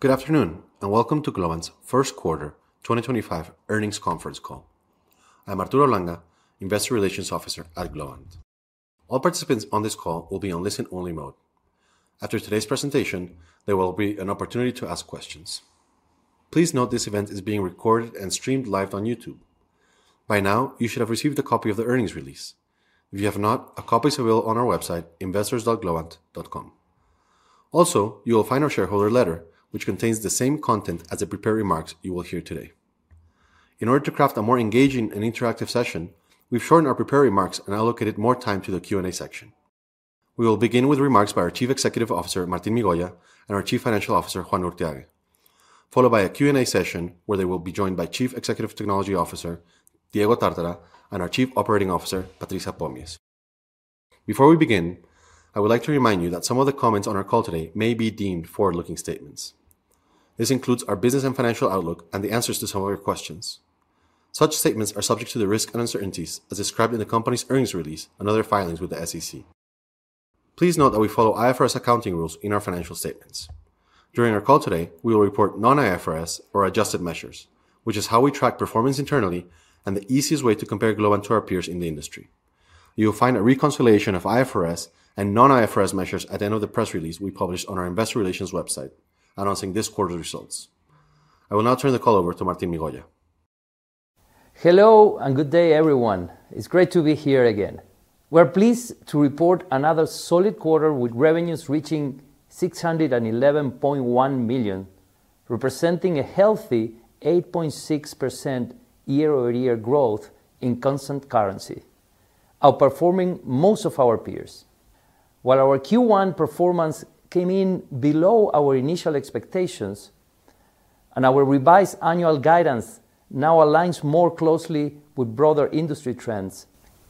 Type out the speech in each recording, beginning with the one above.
Good afternoon, and welcome to Globant's first quarter 2025 earnings conference call. I'm Arturo Langa, Investor Relations Officer at Globant. All participants on this call will be on listen-only mode. After today's presentation, there will be an opportunity to ask questions. Please note this event is being recorded and streamed live on YouTube. By now, you should have received a copy of the earnings release. If you have not, a copy is available on our website, investors.globant.com. Also, you will find our shareholder letter, which contains the same content as the prepared remarks you will hear today. In order to craft a more engaging and interactive session, we've shortened our prepared remarks and allocated more time to the Q&A section. We will begin with remarks by our Chief Executive Officer, Martín Migoya, and our Chief Financial Officer, Juan Urthiague, followed by a Q&A session where they will be joined by Chief Executive Technology Officer, Diego Tartara, and our Chief Operating Officer, Patricia Pomies. Before we begin, I would like to remind you that some of the comments on our call today may be deemed forward-looking statements. This includes our business and financial outlook and the answers to some of your questions. Such statements are subject to the risks and uncertainties as described in the company's earnings release and other filings with the SEC. Please note that we follow IFRS accounting rules in our financial statements. During our call today, we will report non-IFRS or adjusted measures, which is how we track performance internally and the easiest way to compare Globant to our peers in the industry. You will find a reconciliation of IFRS and non-IFRS measures at the end of the press release we published on our Investor Relations website, announcing this quarter's results. I will now turn the call over to Martín Migoya. Hello and good day, everyone. It's great to be here again. We're pleased to report another solid quarter with revenues reaching $611.1 million, representing a healthy 8.6% year-over-year growth in constant currency, outperforming most of our peers. While our Q1 performance came in below our initial expectations and our revised annual guidance now aligns more closely with broader industry trends,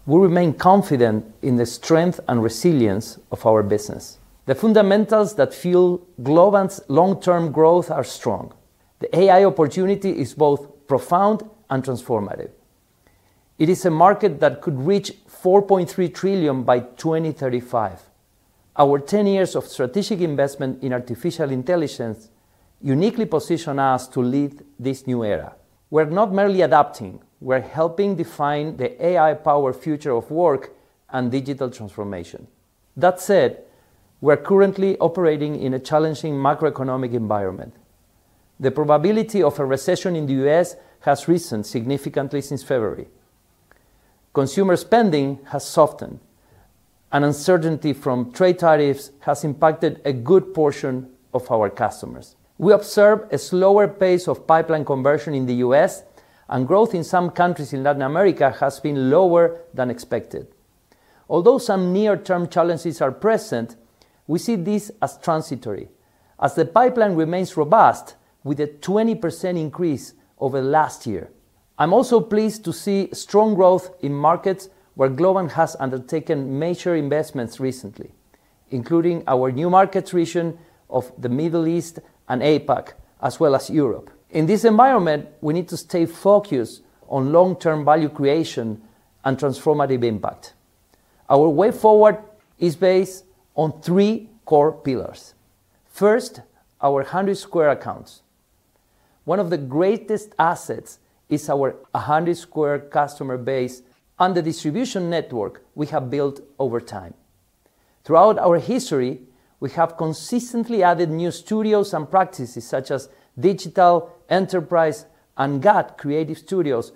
we remain confident in the strength and resilience of our business. The fundamentals that fuel Globant's long-term growth are strong. The AI opportunity is both profound and transformative. It is a market that could reach $4.3 trillion by 2035. Our 10 years of strategic investment in artificial intelligence uniquely position us to lead this new era. We're not merely adapting; we're helping define the AI-powered future of work and digital transformation. That said, we're currently operating in a challenging macroeconomic environment. The probability of a recession in the U.S. has risen significantly since February. Consumer spending has softened, and uncertainty from trade tariffs has impacted a good portion of our customers. We observe a slower pace of pipeline conversion in the U.S., and growth in some countries in Latin America has been lower than expected. Although some near-term challenges are present, we see these as transitory, as the pipeline remains robust with a 20% increase over last year. I'm also pleased to see strong growth in markets where Globant has undertaken major investments recently, including our new markets region of the Middle East and APAC, as well as Europe. In this environment, we need to stay focused on long-term value creation and transformative impact. Our way forward is based on three core pillars. First, our 100 square accounts. One of the greatest assets is our 100 square customer base and the distribution network we have built over time. Throughout our history, we have consistently added new studios and practices such as Digital Enterprise and GUT creative studios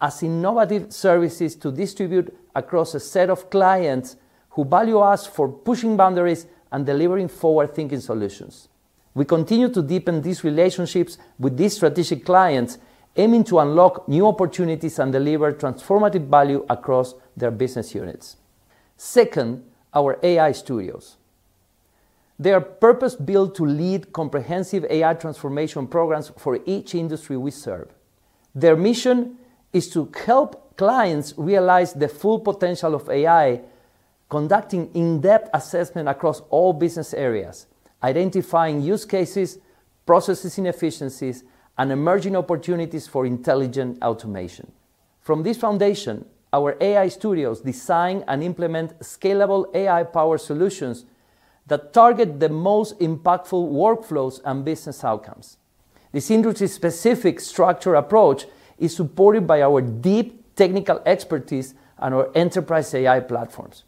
as innovative services to distribute across a set of clients who value us for pushing boundaries and delivering forward-thinking solutions. We continue to deepen these relationships with these strategic clients, aiming to unlock new opportunities and deliver transformative value across their business units. Second, our AI studios. They are purpose-built to lead comprehensive AI transformation programs for each industry we serve. Their mission is to help clients realize the full potential of AI, conducting in-depth assessment across all business areas, identifying use cases, processes inefficiencies, and emerging opportunities for intelligent automation. From this foundation, our AI studios design and implement scalable AI-powered solutions that target the most impactful workflows and business outcomes. This industry-specific structure approach is supported by our deep technical expertise and our Enterprise AI platforms,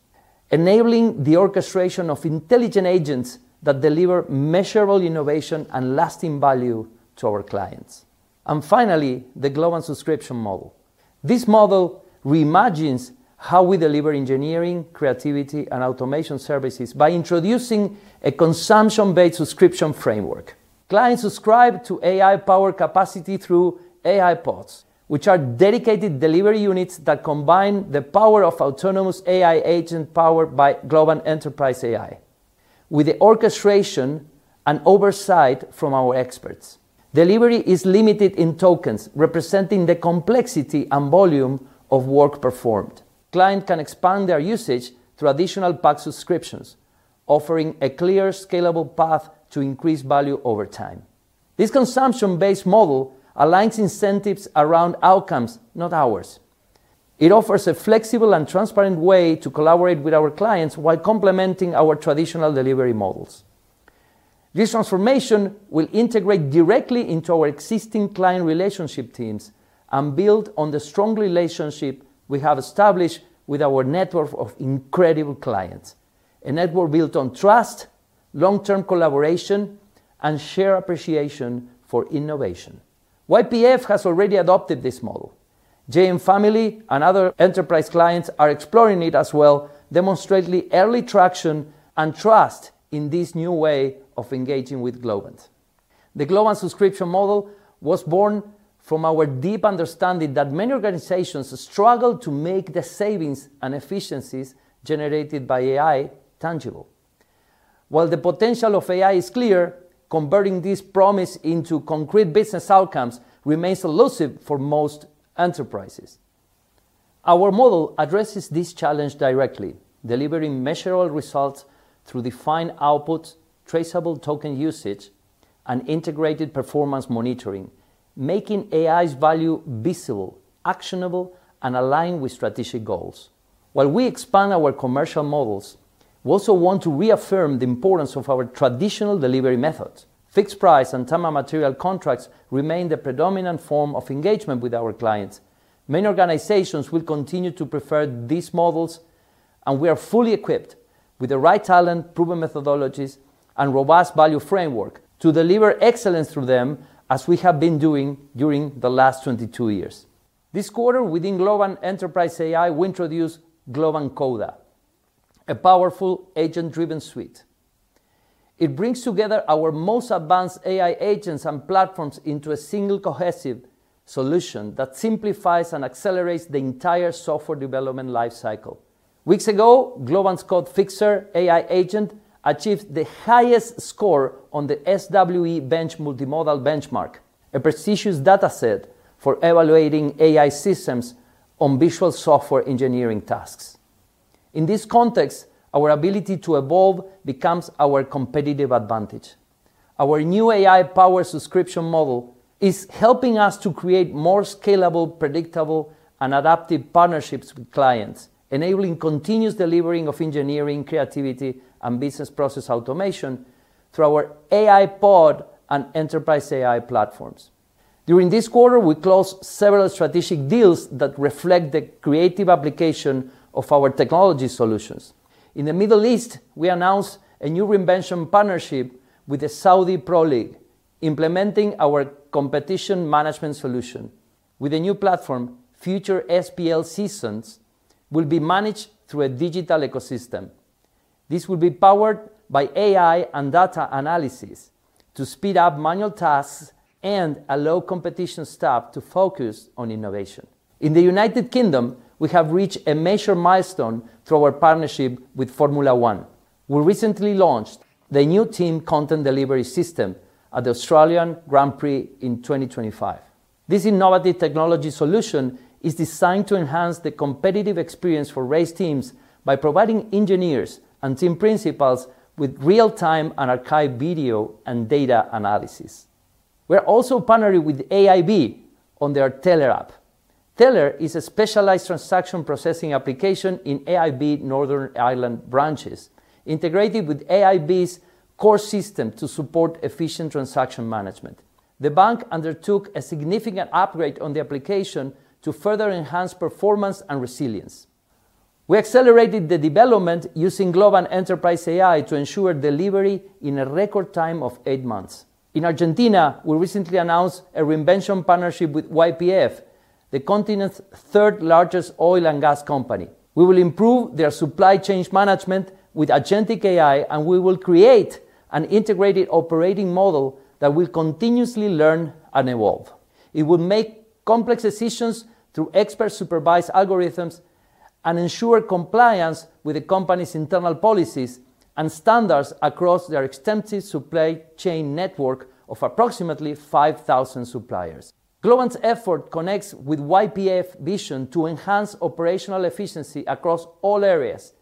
enabling the orchestration of intelligent agents that deliver measurable innovation and lasting value to our clients. Finally, the Globant subscription model. This model reimagines how we deliver engineering, creativity, and automation services by introducing a consumption-based subscription framework. Clients subscribe to AI-powered capacity through AI Pods, which are dedicated delivery units that combine the power of autonomous AI agents powered by Globant Enterprise AI, with the orchestration and oversight from our experts. Delivery is limited in tokens, representing the complexity and volume of work performed. Clients can expand their usage through additional PAX subscriptions, offering a clear, scalable path to increased value over time. This consumption-based model aligns incentives around outcomes, not ours. It offers a flexible and transparent way to collaborate with our clients while complementing our traditional delivery models. This transformation will integrate directly into our existing client relationship teams and build on the strong relationship we have established with our network of incredible clients, a network built on trust, long-term collaboration, and shared appreciation for innovation. YPF has already adopted this model. JM Family and other enterprise clients are exploring it as well, demonstrating early traction and trust in this new way of engaging with Globant. The Globant subscription model was born from our deep understanding that many organizations struggle to make the savings and efficiencies generated by AI tangible. While the potential of AI is clear, converting this promise into concrete business outcomes remains elusive for most enterprises. Our model addresses this challenge directly, delivering measurable results through defined outputs, traceable token usage, and integrated performance monitoring, making AI's value visible, actionable, and aligned with strategic goals. While we expand our commercial models, we also want to reaffirm the importance of our traditional delivery methods. Fixed-price and time-of-material contracts remain the predominant form of engagement with our clients. Many organizations will continue to prefer these models, and we are fully equipped with the right talent, proven methodologies, and a robust value framework to deliver excellence through them, as we have been doing during the last 22 years. This quarter, within Globant Enterprise AI, we introduce Globant CODA, a powerful agent-driven suite. It brings together our most advanced AI agents and platforms into a single cohesive solution that simplifies and accelerates the entire software development lifecycle. Weeks ago, Globant's Code Fixer AI agent achieved the highest score on the SWE-bench Multimodal benchmark, a prestigious data set for evaluating AI systems on visual software engineering tasks. In this context, our ability to evolve becomes our competitive advantage. Our new AI-powered subscription model is helping us to create more scalable, predictable, and adaptive partnerships with clients, enabling continuous delivery of engineering, creativity, and business process automation through our AI Pod and Enterprise AI platforms. During this quarter, we closed several strategic deals that reflect the creative application of our technology solutions. In the Middle East, we announced a new reinvention partnership with the Saudi Pro League, implementing our Competition Management Solution. With a new platform, future SPL systems will be managed through a digital ecosystem. This will be powered by AI and data analysis to speed up manual tasks and allow competition staff to focus on innovation. In the United Kingdom, we have reached a major milestone through our partnership with Formula 1. We recently launched the new Team Content Delivery System at the Australian Grand Prix in 2025. This innovative technology solution is designed to enhance the competitive experience for race teams by providing engineers and team principals with real-time and archived video and data analysis. We're also partnering with AIB on their Teller app. Teller is a specialized transaction processing application in AIB Northern Ireland branches, integrated with AIB's core system to support efficient transaction management. The bank undertook a significant upgrade on the application to further enhance performance and resilience. We accelerated the development using Globant Enterprise AI to ensure delivery in a record time of eight months. In Argentina, we recently announced a reinvention partnership with YPF, the continent's third-largest oil and gas company. We will improve their supply chain management with agentic AI, and we will create an integrated operating model that will continuously learn and evolve. It will make complex decisions through expert-supervised algorithms and ensure compliance with the company's internal policies and standards across their extensive supply chain network of approximately 5,000 suppliers. Globant's effort connects with YPF's vision to enhance operational efficiency across all areas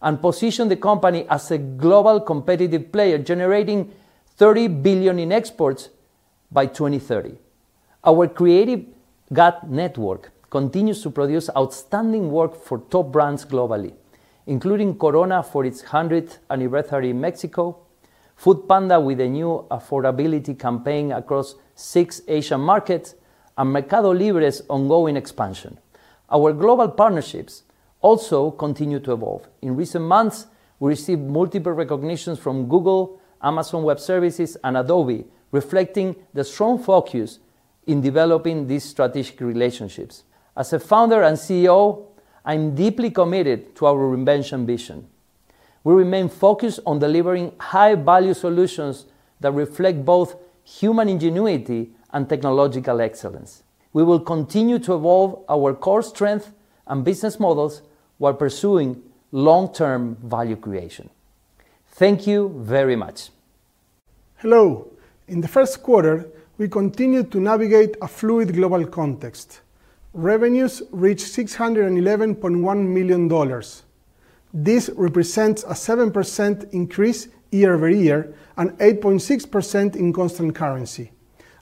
and position the company as a global competitive player, generating $30 billion in exports by 2030. Our creative GUT Network continues to produce outstanding work for top brands globally, including Corona for its 100th anniversary in Mexico, Foodpanda with a new affordability campaign across six Asian markets, and Mercado Libre's ongoing expansion. Our global partnerships also continue to evolve. In recent months, we received multiple recognitions from Google, Amazon Web Services, and Adobe, reflecting the strong focus in developing these strategic relationships. As a founder and CEO, I'm deeply committed to our reinvention vision. We remain focused on delivering high-value solutions that reflect both human ingenuity and technological excellence. We will continue to evolve our core strengths and business models while pursuing long-term value creation. Thank you very much. Hello. In the first quarter, we continued to navigate a fluid global context. Revenues reached $611.1 million. This represents a 7% increase year-over-year and 8.6% in constant currency,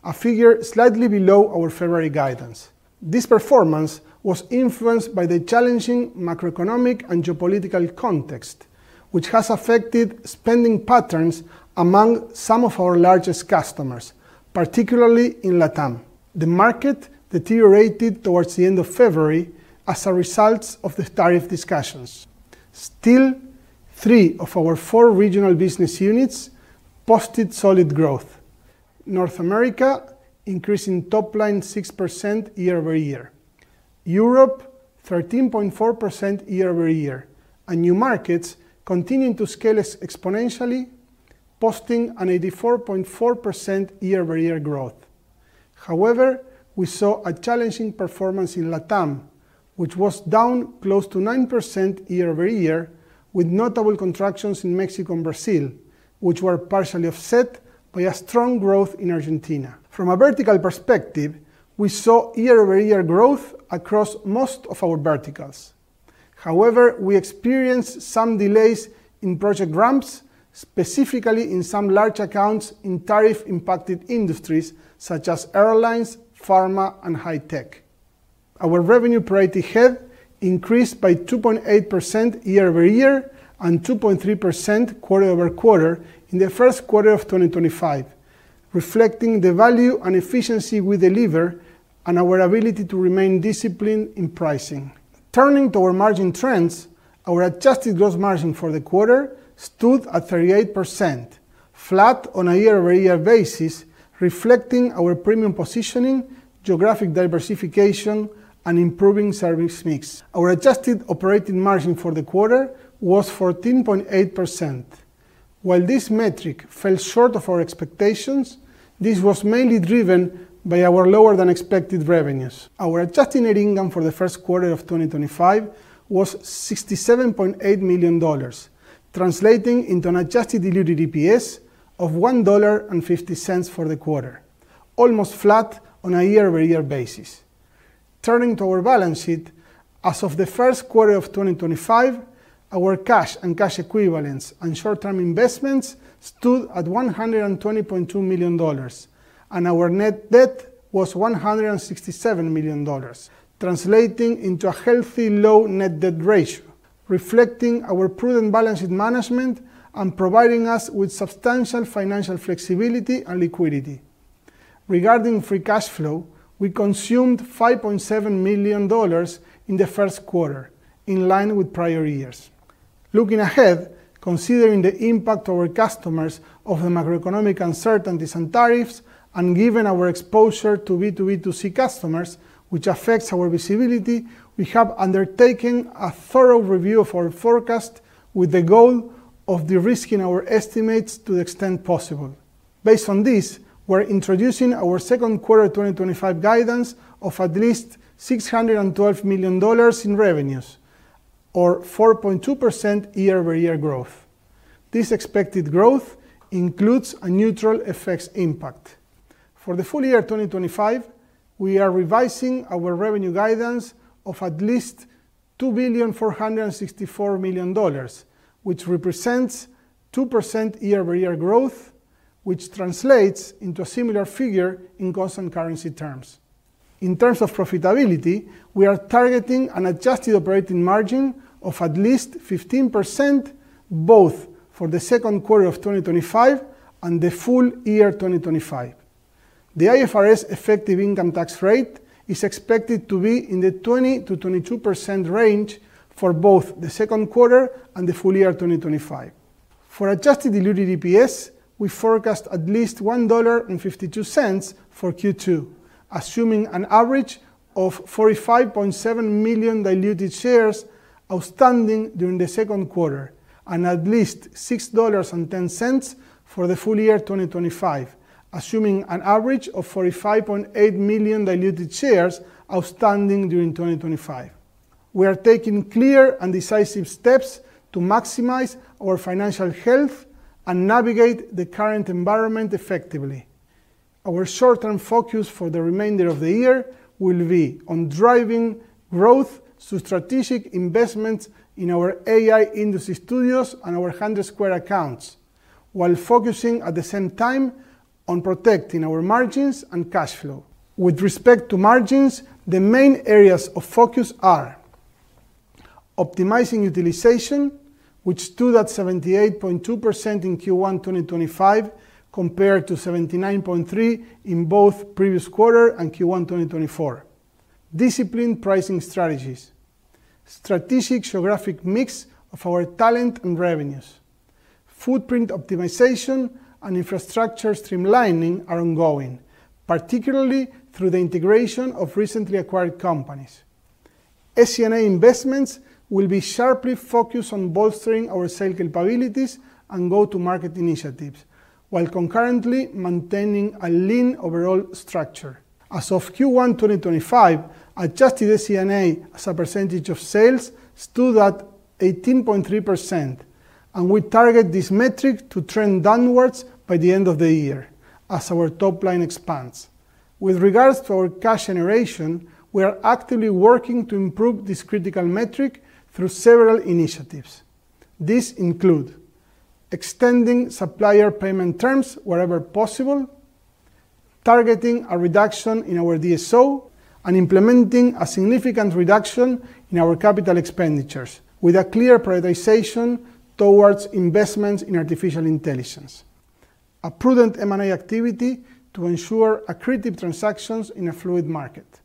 a figure slightly below our February guidance. This performance was influenced by the challenging macroeconomic and geopolitical context, which has affected spending patterns among some of our largest customers, particularly in Latin America. The market deteriorated towards the end of February as a result of the tariff discussions. Still, three of our four regional business units posted solid growth: North America, increasing top line 6% year-over-year; Europe, 13.4% year-over-year. New markets continued to scale exponentially, posting an 84.4% year-over-year growth. However, we saw a challenging performance in LATAM, which was down close to 9% year-over-year, with notable contractions in Mexico and Brazil, which were partially offset by strong growth in Argentina. From a vertical perspective, we saw year-over-year growth across most of our verticals. However, we experienced some delays in project ramps, specifically in some large accounts in tariff-impacted industries such as airlines, pharma, and high-tech. Our revenue per IT head increased by 2.8% year-over-year and 2.3% quarter-over-quarter in the first quarter of 2025, reflecting the value and efficiency we deliver and our ability to remain disciplined in pricing. Turning to our margin trends, our adjusted gross margin for the quarter stood at 38%, flat on a year-over-year basis, reflecting our premium positioning, geographic diversification, and improving service mix. Our adjusted operating margin for the quarter was 14.8%. While this metric fell short of our expectations, this was mainly driven by our lower-than-expected revenues. Our adjusted net income for the first quarter of 2025 was $67.8 million, translating into an adjusted delivery EPS of $1.50 for the quarter, almost flat on a year-over-year basis. Turning to our balance sheet, as of the first quarter of 2025, our cash and cash equivalents and short-term investments stood at $120.2 million, and our net debt was $167 million, translating into a healthy low net debt ratio, reflecting our prudent balance sheet management and providing us with substantial financial flexibility and liquidity. Regarding free cash flow, we consumed $5.7 million in the first quarter, in line with prior years. Looking ahead, considering the impact on our customers of the macroeconomic uncertainties and tariffs, and given our exposure to B2B2C customers, which affects our visibility, we have undertaken a thorough review of our forecast with the goal of de-risking our estimates to the extent possible. Based on this, we're introducing our second quarter 2025 guidance of at least $612 million in revenues, or 4.2% year-over-year growth. This expected growth includes a neutral effects impact. For the full year 2025, we are revising our revenue guidance of at least $2,464 million, which represents 2% year-over-year growth, which translates into a similar figure in constant currency terms. In terms of profitability, we are targeting an adjusted operating margin of at least 15% both for the second quarter of 2025 and the full year 2025. The IFRS effective income tax rate is expected to be in the 20%-22% range for both the second quarter and the full year 2025. For adjusted diluted EPS, we forecast at least $1.52 for Q2, assuming an average of 45.7 million diluted shares outstanding during the second quarter, and at least $6.10 for the full year 2025, assuming an average of 45.8 million diluted shares outstanding during 2025. We are taking clear and decisive steps to maximize our financial health and navigate the current environment effectively. Our short-term focus for the remainder of the year will be on driving growth through strategic investments in our AI Industry studios and our 100-square accounts, while focusing at the same time on protecting our margins and cash flow. With respect to margins, the main areas of focus are: optimizing utilization, which stood at 78.2% in Q1 2025 compared to 79.3% in both previous quarter and Q1 2024, disciplined pricing strategies, strategic geographic mix of our talent and revenues, footprint optimization and infrastructure streamlining are ongoing, particularly through the integration of recently acquired companies. SG&A investments will be sharply focused on bolstering our sale capabilities and go-to-market initiatives, while concurrently maintaining a lean overall structure. As of Q1 2025, adjusted SG&A as a percentage of sales stood at 18.3%, and we target this metric to trend downwards by the end of the year as our top line expands. With regards to our cash generation, we are actively working to improve this critical metric through several initiatives. These include: extending supplier payment terms wherever possible, targeting a reduction in our DSO, and implementing a significant reduction in our capital expenditures, with a clear prioritization towards investments in artificial intelligence, a prudent M&A activity to ensure accretive transactions in a fluid market.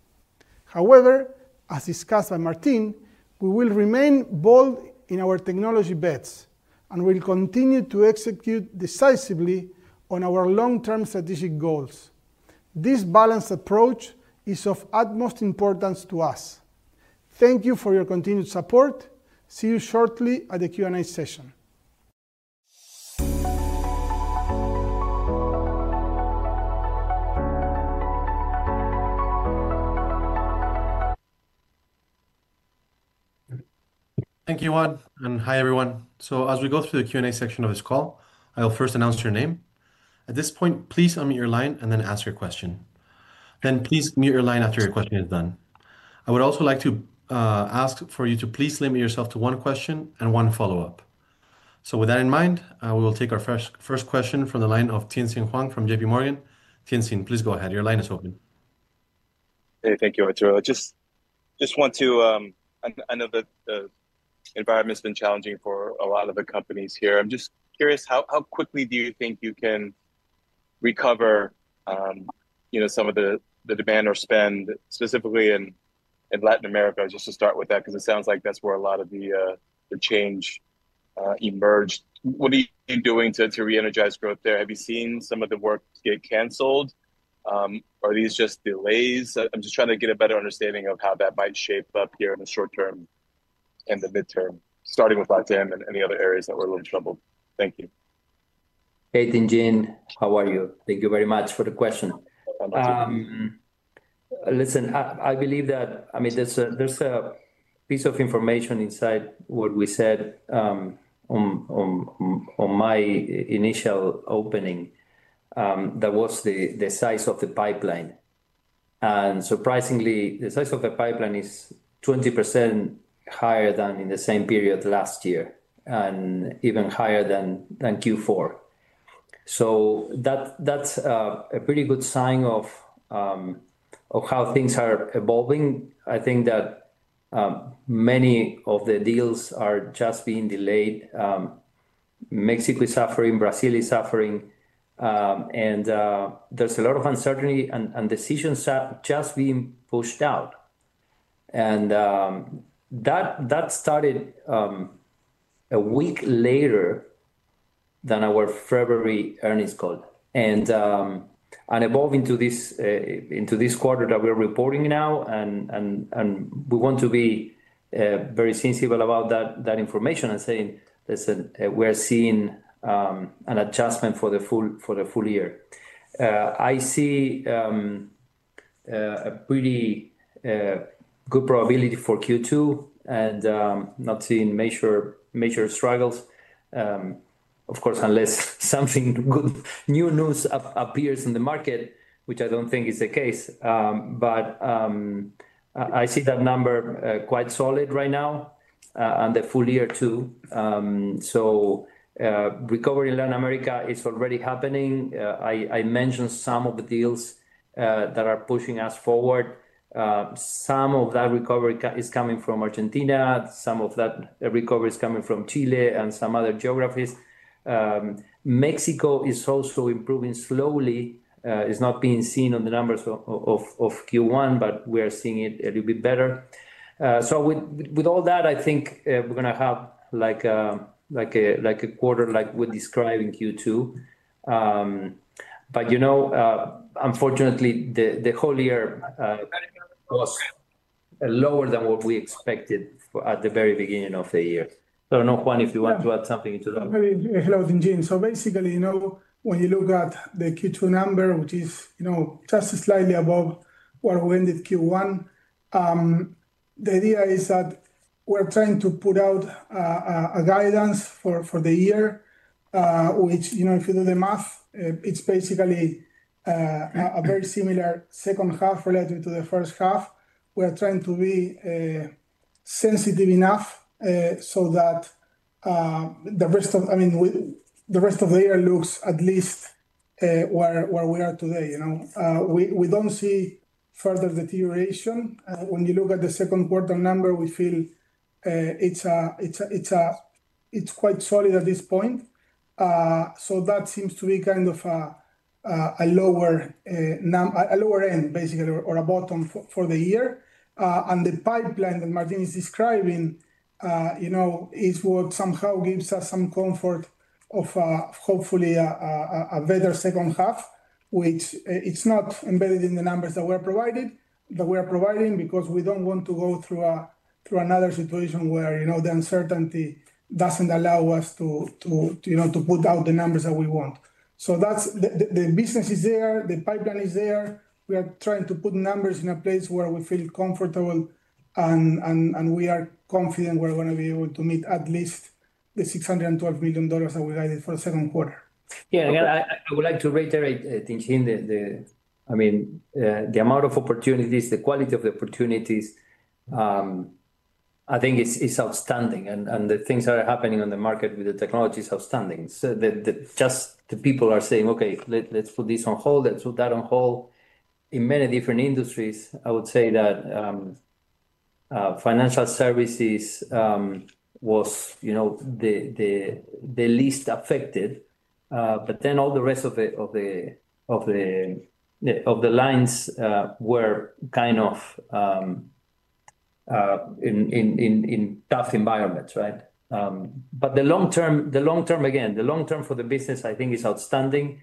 However, as discussed by Martín, we will remain bold in our technology bets and will continue to execute decisively on our long-term strategic goals. This balanced approach is of utmost importance to us. Thank you for your continued support. See you shortly at the Q&A session. Thank you, Juan, and hi everyone. As we go through the Q&A section of this call, I'll first announce your name. At this point, please unmute your line and then ask your question. Please mute your line after your question is done. I would also like to ask for you to please limit yourself to one question and one follow-up. With that in mind, we will take our first question from the line of Tien-tsin Huang from JPMorgan. Tianxin, please go ahead. Your line is open. Hey, thank you, Arturo. I just want to—I know the environment has been challenging for a lot of the companies here. I'm just curious, how quickly do you think you can recover some of the demand or spend, specifically in Latin America? Just to start with that, because it sounds like that's where a lot of the change emerged. What are you doing to re-energize growth there? Have you seen some of the work get canceled? Are these just delays? I'm just trying to get a better understanding of how that might shape up here in the short term and the midterm, starting with LATAM and the other areas that were a little troubled. Thank you. Hey, Tien-tsin, how are you? Thank you very much for the question. Listen, I believe that, I mean, there's a piece of information inside what we said on my initial opening that was the size of the pipeline. Surprisingly, the size of the pipeline is 20% higher than in the same period last year and even higher than Q4. That's a pretty good sign of how things are evolving. I think that many of the deals are just being delayed. Mexico is suffering, Brazil is suffering, and there's a lot of uncertainty and decisions just being pushed out. That started a week later than our February earnings call. Evolving into this quarter that we're reporting now, we want to be very sensible about that information and saying, listen, we're seeing an adjustment for the full year. I see a pretty good probability for Q2 and not seeing major struggles, of course, unless something good, new news appears in the market, which I don't think is the case. I see that number quite solid right now and the full year too. Recovery in Latin America is already happening. I mentioned some of the deals that are pushing us forward. Some of that recovery is coming from Argentina. Some of that recovery is coming from Chile and some other geographies. Mexico is also improving slowly. It's not being seen on the numbers of Q1, but we are seeing it a little bit better. With all that, I think we're going to have like a quarter like we're describing Q2. You know, unfortunately, the whole year was lower than what we expected at the very beginning of the year. I don't know, Juan, if you want to add something to that. Maybe hello to Tien-tsin. So basically, you know, when you look at the Q2 number, which is just slightly above where we ended Q1, the idea is that we're trying to put out a guidance for the year, which, you know, if you do the math, it's basically a very similar second half relative to the first half. We are trying to be sensitive enough so that the rest of, I mean, the rest of the year looks at least where we are today. You know, we don't see further deterioration. When you look at the second quarter number, we feel it's quite solid at this point. So that seems to be kind of a lower end, basically, or a bottom for the year. The pipeline that Martín is describing, you know, is what somehow gives us some comfort of hopefully a better second half, which it's not embedded in the numbers that we are providing, because we do not want to go through another situation where, you know, the uncertainty does not allow us to put out the numbers that we want. The business is there, the pipeline is there. We are trying to put numbers in a place where we feel comfortable and we are confident we are going to be able to meet at least the $612 million that we guided for the second quarter. Yeah, I would like to reiterate, Tien-tsin, the, I mean, the amount of opportunities, the quality of the opportunities, I think is outstanding. The things that are happening on the market with the technology is outstanding. Just the people are saying, okay, let's put this on hold, let's put that on hold. In many different industries, I would say that financial services was, you know, the least affected. Then all the rest of the lines were kind of in tough environments, right? The long term, the long term, again, the long term for the business, I think, is outstanding.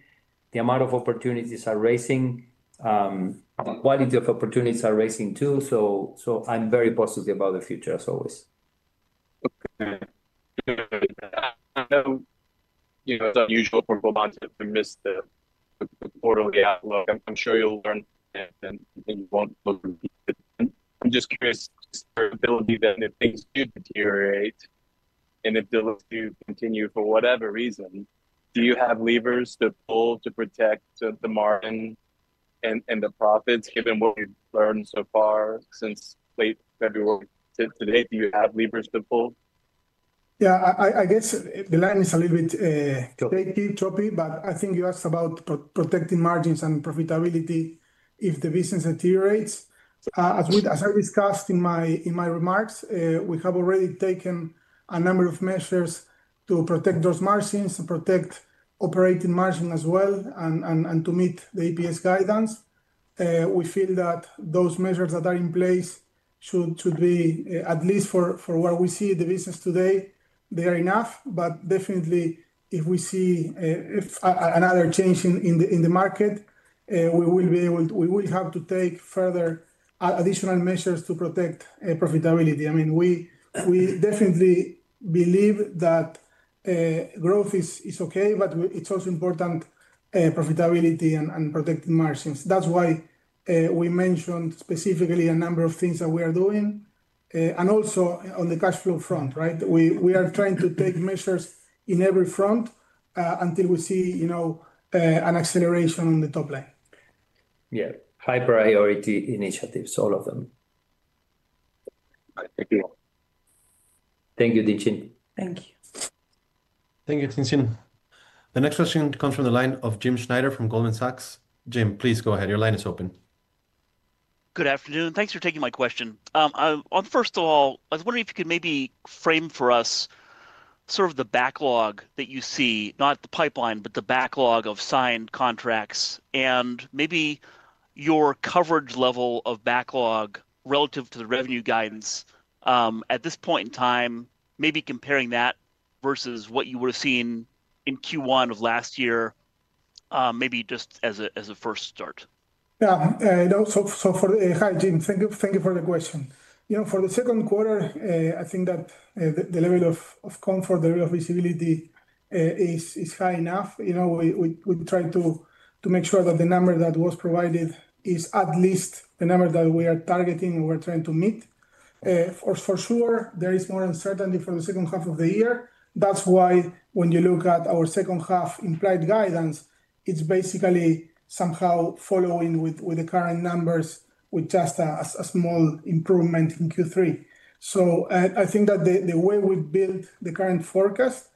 The amount of opportunities are raising. The quality of opportunities are raising too. I'm very positive about the future, as always. Okay. I know it's unusual for Globant to miss the quarterly outlook. I'm sure you'll learn and you won't look at it. I'm just curious. Ability that if things do deteriorate and if deals do continue for whatever reason, do you have levers to pull to protect the margin and the profits, given what we've learned so far since late February to date? Do you have levers to pull? Yeah, I guess the line is a little bit tricky, tropey, but I think you asked about protecting margins and profitability if the business deteriorates. As I discussed in my remarks, we have already taken a number of measures to protect those margins and protect operating margin as well and to meet the EPS guidance. We feel that those measures that are in place should be, at least for what we see the business today, they are enough. Definitely, if we see another change in the market, we will be able to, we will have to take further additional measures to protect profitability. I mean, we definitely believe that growth is okay, but it's also important profitability and protecting margins. That is why we mentioned specifically a number of things that we are doing. Also on the cash flow front, right? We are trying to take measures in every front until we see, you know, an acceleration on the top line. Yeah, high priority initiatives, all of them. Thank you. Thank you, Tien-tsin. Thank you. Thank you, Tien-tsin. The next question comes from the line of Jim Schneider from Goldman Sachs. Jim, please go ahead. Your line is open. Good afternoon. Thanks for taking my question. First of all, I was wondering if you could maybe frame for us sort of the backlog that you see, not the pipeline, but the backlog of signed contracts and maybe your coverage level of backlog relative to the revenue guidance at this point in time, maybe comparing that versus what you would have seen in Q1 of last year, maybe just as a first start. Yeah, so for the high, Jim, thank you for the question. You know, for the second quarter, I think that the level of comfort, the level of visibility is high enough. You know, we try to make sure that the number that was provided is at least the number that we are targeting and we're trying to meet. For sure, there is more uncertainty for the second half of the year. That is why when you look at our second half implied guidance, it is basically somehow following with the current numbers with just a small improvement in Q3. I think that the way we built the current forecast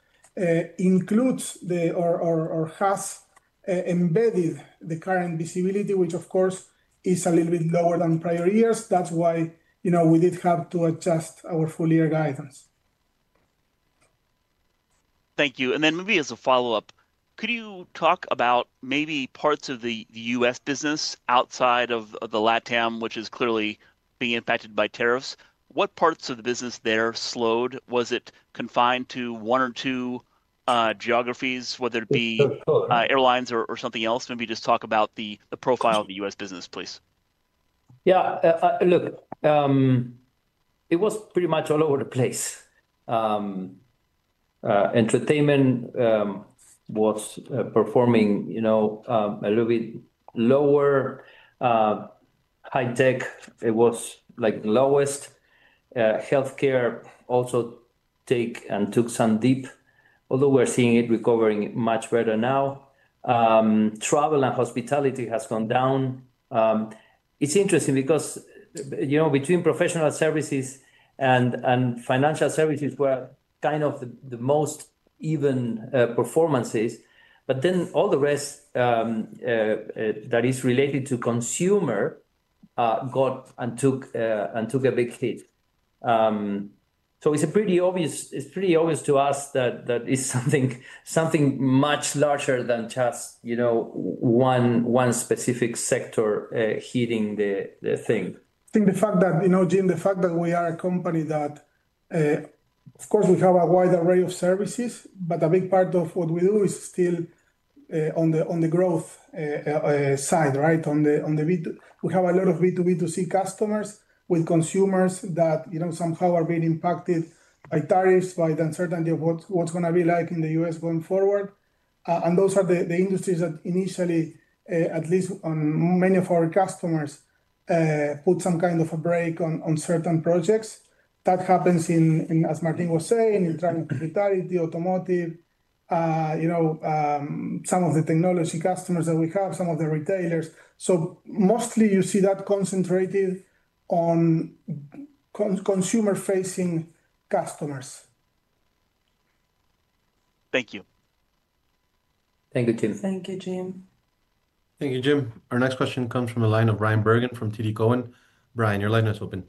includes or has embedded the current visibility, which of course is a little bit lower than prior years. That is why we did have to adjust our full year guidance. Thank you. Maybe as a follow-up, could you talk about maybe parts of the U.S. business outside of the LATAM, which is clearly being impacted by tariffs? What parts of the business there slowed? Was it confined to one or two geographies, whether it be airlines or something else? Maybe just talk about the profile of the U.S. business, please. Yeah, look, it was pretty much all over the place. Entertainment was performing, you know, a little bit lower. High tech, it was like lowest. Healthcare also took some dip, although we're seeing it recovering much better now. Travel and hospitality has gone down. It's interesting because, you know, between professional services and financial services, we're kind of the most even performances. But then all the rest that is related to consumer got and took a big hit. So it's pretty obvious to us that it's something much larger than just, you know, one specific sector hitting the thing. I think the fact that, you know, Jim, the fact that we are a company that, of course, we have a wide array of services, but a big part of what we do is still on the growth side, right? On the B2, we have a lot of B2B2C customers with consumers that, you know, somehow are being impacted by tariffs, by the uncertainty of what's going to be like in the U.S. going forward. Those are the industries that initially, at least on many of our customers, put some kind of a break on certain projects. That happens in, as Martín was saying, in trying to retire the automotive, you know, some of the technology customers that we have, some of the retailers. Mostly you see that concentrated on consumer-facing customers. Thank you. Thank you, Jim. Thank you, Jim. Our next question comes from the line of Bryan Bergen from TD Cowen. Bryan, your line is open.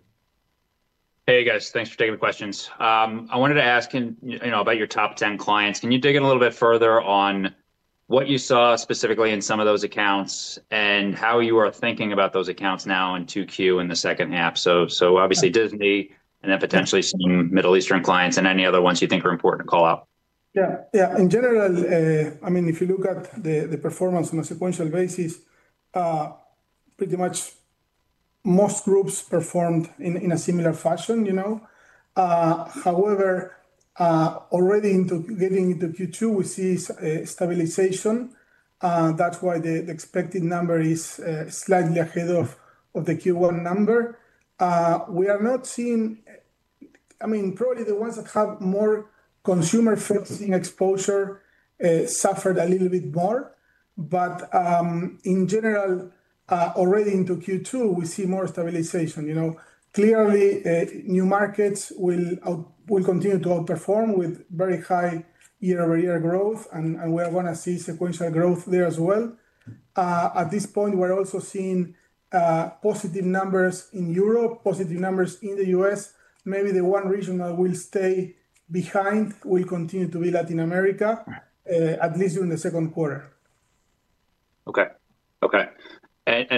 Hey, guys, thanks for taking the questions. I wanted to ask you about your top 10 clients. Can you dig in a little bit further on what you saw specifically in some of those accounts and how you are thinking about those accounts now in Q2 in the second half? Obviously Disney and then potentially some Middle Eastern clients and any other ones you think are important to call out. Yeah, yeah. In general, I mean, if you look at the performance on a sequential basis, pretty much most groups performed in a similar fashion, you know. However, already getting into Q2, we see stabilization. That's why the expected number is slightly ahead of the Q1 number. We are not seeing, I mean, probably the ones that have more consumer-facing exposure suffered a little bit more. But in general, already into Q2, we see more stabilization. You know, clearly new markets will continue to outperform with very high year-over-year growth, and we are going to see sequential growth there as well. At this point, we're also seeing positive numbers in Europe, positive numbers in the U.S. Maybe the one region that will stay behind will continue to be Latin America, at least during the second quarter. Okay, okay.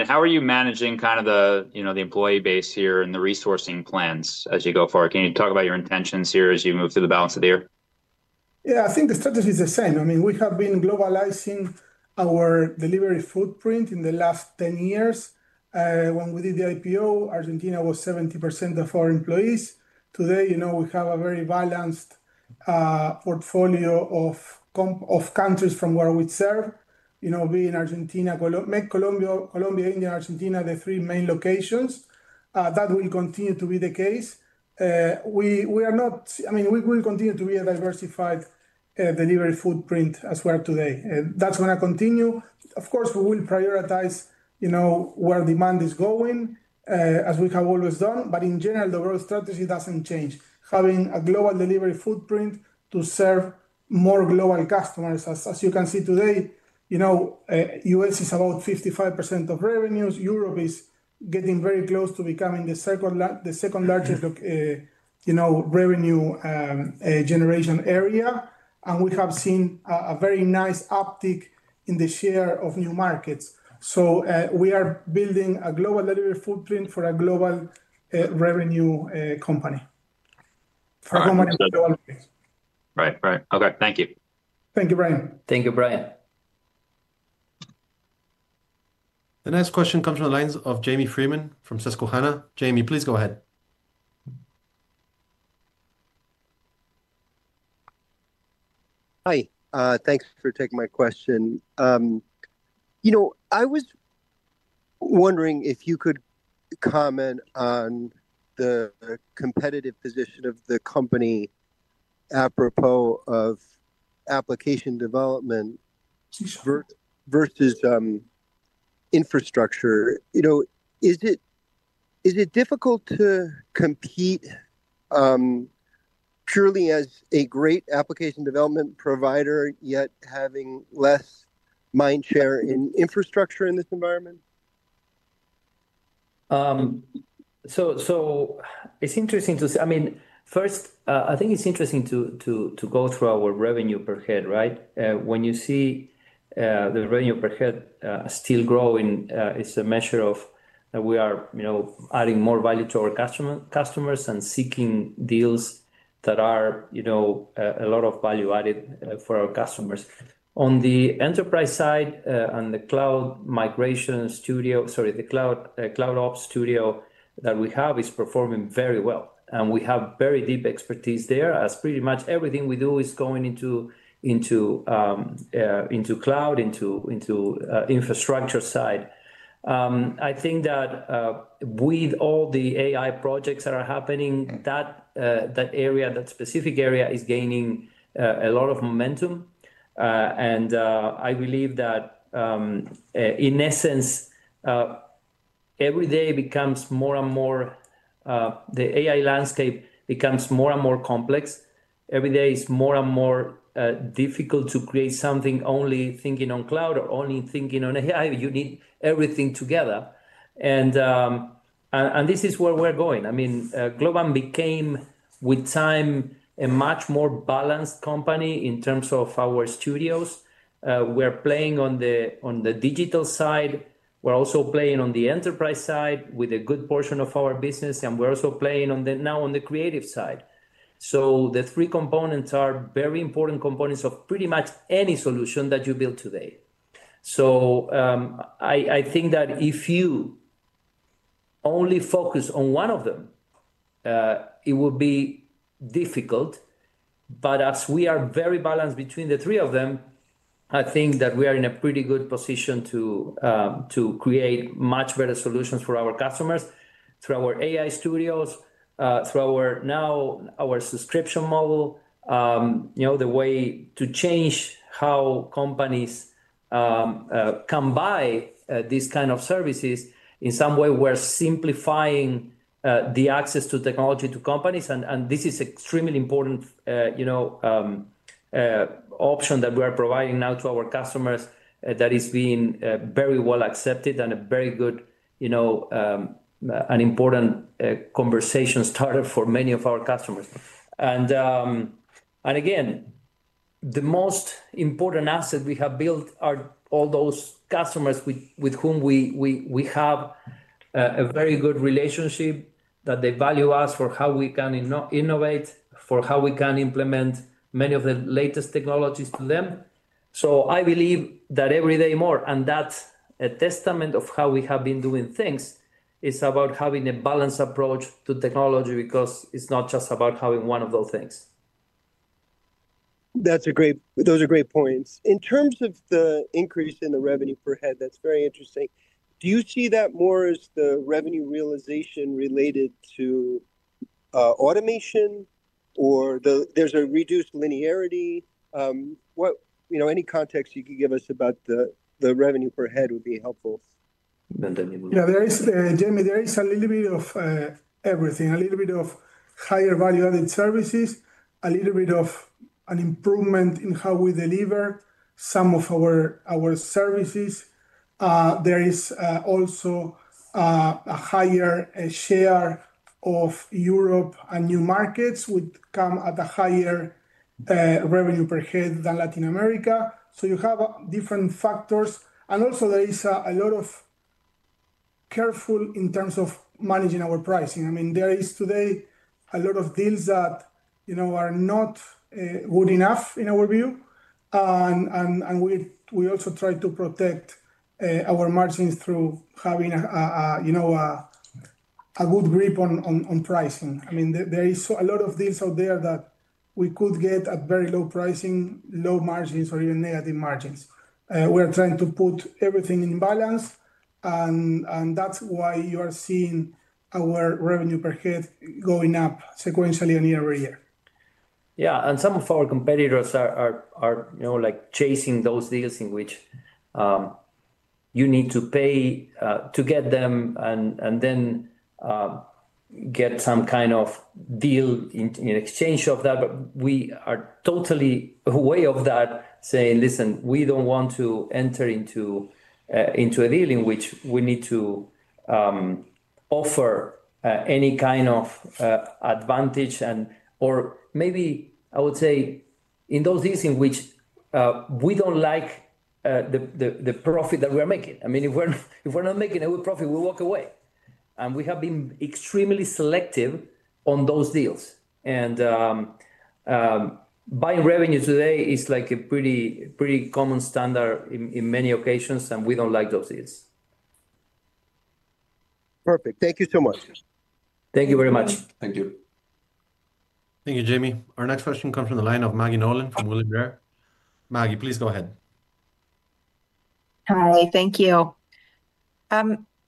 How are you managing kind of the, you know, the employee base here and the resourcing plans as you go forward? Can you talk about your intentions here as you move through the balance of the year? Yeah, I think the strategy is the same. I mean, we have been globalizing our delivery footprint in the last 10 years. When we did the IPO, Argentina was 70% of our employees. Today, you know, we have a very balanced portfolio of countries from where we serve, you know, being Argentina, Colombia, India, the three main locations. That will continue to be the case. I mean, we will continue to be a diversified delivery footprint as we are today. That's going to continue. Of course, we will prioritize, you know, where demand is going, as we have always done. In general, the growth strategy doesn't change. Having a global delivery footprint to serve more global customers. As you can see today, you know, U.S. is about 55% of revenues. Europe is getting very close to becoming the second largest, you know, revenue generation area. We have seen a very nice uptick in the share of new markets. We are building a global delivery footprint for a global revenue company for a global market. Right, right. Okay, thank you. Thank you, Bryan. Thank you, Bryan. The next question comes from the lines of Jamie Friedman from Susquehanna. Jamie, please go ahead. Hi, thanks for taking my question. You know, I was wondering if you could comment on the competitive position of the company apropos of application development versus infrastructure. You know, is it difficult to compete purely as a great application development provider, yet having less mind share in infrastructure in this environment? It's interesting to see. I mean, first, I think it's interesting to go through our revenue per head, right? When you see the revenue per head still growing, it's a measure that we are adding more value to our customers and seeking deals that are, you know, a lot of value added for our customers. On the enterprise side and the cloud migration studio, sorry, the cloud ops studio that we have is performing very well. We have very deep expertise there, as pretty much everything we do is going into cloud, into infrastructure side. I think that with all the AI projects that are happening, that area, that specific area is gaining a lot of momentum. I believe that in essence, every day becomes more and more, the AI landscape becomes more and more complex. Every day is more and more difficult to create something only thinking on cloud or only thinking on AI. You need everything together. This is where we're going. I mean, Globant became with time a much more balanced company in terms of our studios. We're playing on the digital side. We're also playing on the enterprise side with a good portion of our business. We're also playing now on the creative side. The three components are very important components of pretty much any solution that you build today. I think that if you only focus on one of them, it would be difficult. As we are very balanced between the three of them, I think that we are in a pretty good position to create much better solutions for our customers through our AI studios, through our now our subscription model, you know, the way to change how companies come by these kinds of services. In some way, we're simplifying the access to technology to companies. This is an extremely important, you know, option that we are providing now to our customers that is being very well accepted and a very good, you know, an important conversation starter for many of our customers. Again, the most important asset we have built are all those customers with whom we have a very good relationship that they value us for how we can innovate, for how we can implement many of the latest technologies to them. I believe that every day more, and that's a testament of how we have been doing things, is about having a balanced approach to technology because it's not just about having one of those things. That's a great, those are great points. In terms of the increase in the revenue per head, that's very interesting. Do you see that more as the revenue realization related to automation or there's a reduced linearity? You know, any context you could give us about the revenue per head would be helpful. Yeah, there is, Jamie, there is a little bit of everything, a little bit of higher value-added services, a little bit of an improvement in how we deliver some of our services. There is also a higher share of Europe and new markets would come at a higher revenue per head than Latin America. You have different factors. Also, there is a lot of careful in terms of managing our pricing. I mean, there is today a lot of deals that, you know, are not good enough in our view. We also try to protect our margins through having, you know, a good grip on pricing. I mean, there is a lot of deals out there that we could get at very low pricing, low margins, or even negative margins. We are trying to put everything in balance. That is why you are seeing our revenue per head going up sequentially and year-over-year. Yeah, and some of our competitors are, you know, like chasing those deals in which you need to pay to get them and then get some kind of deal in exchange of that. We are totally aware of that, saying, listen, we don't want to enter into a deal in which we need to offer any kind of advantage, or maybe I would say in those deals in which we don't like the profit that we are making. I mean, if we're not making a good profit, we walk away. We have been extremely selective on those deals. Buying revenue today is like a pretty common standard in many occasions, and we don't like those deals. Perfect. Thank you so much. Thank you very much. Thank you. Thank you, Jamie. Our next question comes from the line of Maggie Nolan from William Blair. Maggie, please go ahead. Hi, thank you.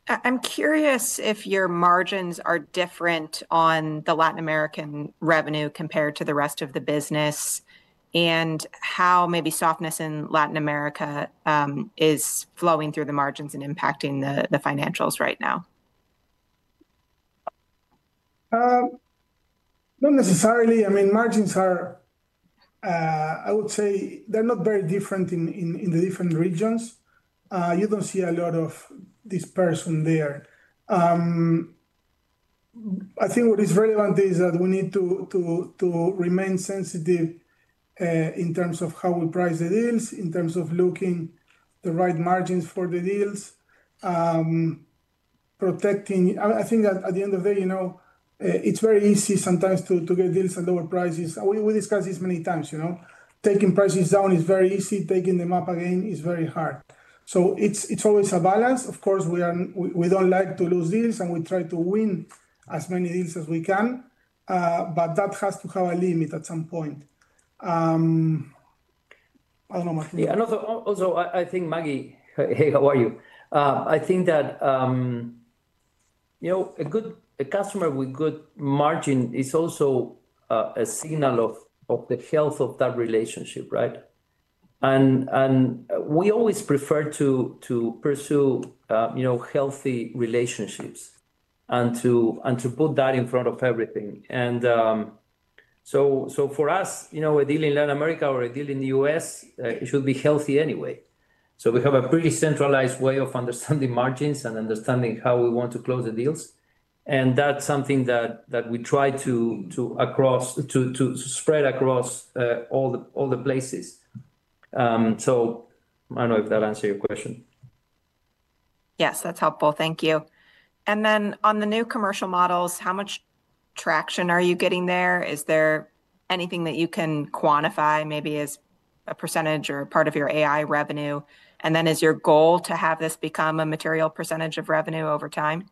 I'm curious if your margins are different on the Latin American revenue compared to the rest of the business and how maybe softness in Latin America is flowing through the margins and impacting the financials right now. Not necessarily. I mean, margins are, I would say they're not very different in the different regions. You don't see a lot of dispersion there. I think what is relevant is that we need to remain sensitive in terms of how we price the deals, in terms of looking at the right margins for the deals, protecting. I think at the end of the day, you know, it's very easy sometimes to get deals at lower prices. We discussed this many times, you know, taking prices down is very easy. Taking them up again is very hard. It is always a balance. Of course, we don't like to lose deals, and we try to win as many deals as we can. That has to have a limit at some point. I don't know, Maggie. Yeah, also, I think Maggie, hey, how are you? I think that, you know, a good customer with good margin is also a signal of the health of that relationship, right? We always prefer to pursue, you know, healthy relationships and to put that in front of everything. For us, you know, a deal in Latin America or a deal in the U.S., it should be healthy anyway. We have a pretty centralized way of understanding margins and understanding how we want to close the deals. That is something that we try to spread across all the places. I do not know if that answers your question. Yes, that's helpful. Thank you. On the new commercial models, how much traction are you getting there? Is there anything that you can quantify maybe as a percentage or part of your AI revenue? Is your goal to have this become a material percentage of revenue over time?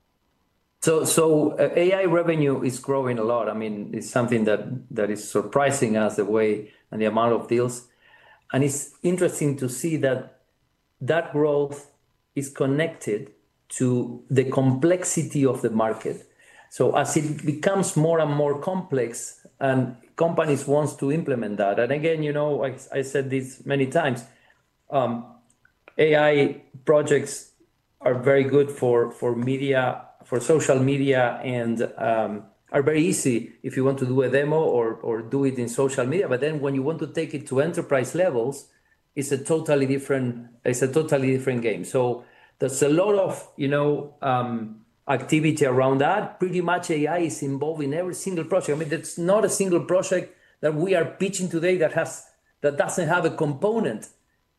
AI revenue is growing a lot. I mean, it's something that is surprising us, the way and the amount of deals. It's interesting to see that that growth is connected to the complexity of the market. As it becomes more and more complex and companies want to implement that. Again, you know, I said this many times, AI projects are very good for media, for social media, and are very easy if you want to do a demo or do it in social media. Then when you want to take it to enterprise levels, it's a totally different game. There's a lot of, you know, activity around that. Pretty much AI is involved in every single project. I mean, there's not a single project that we are pitching today that doesn't have a component.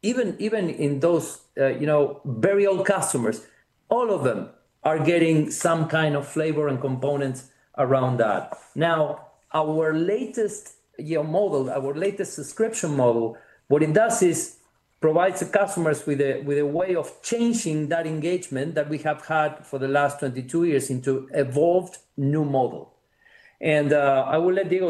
Even in those, you know, very old customers, all of them are getting some kind of flavor and components around that. Now, our latest model, our latest subscription model, what it does is provide the customers with a way of changing that engagement that we have had for the last 22 years into an evolved new model. I will let Diego